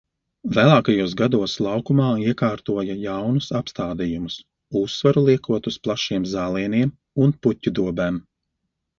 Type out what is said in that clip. Vēlākajos gados laukumā iekārtoja jaunus apstādījumus, uzsvaru liekot uz plašiem zālieniem un puķu dobēm.